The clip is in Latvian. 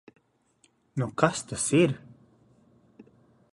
Nu kas tas ir?